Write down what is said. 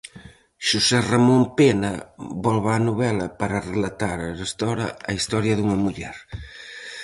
Xosé Ramón Pena volve á novela para relatar arestora a historia dunha muller.